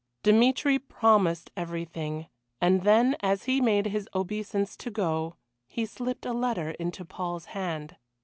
Dmitry promised everything, and then as he made his obeisance to go, he slipped a letter into Paul's hand.